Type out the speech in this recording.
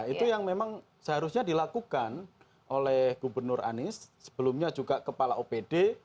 itu yang memang seharusnya dilakukan oleh gubernur anies sebelumnya juga kepala opd